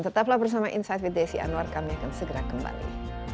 tetaplah bersama insight with desi anwar kami akan segera kembali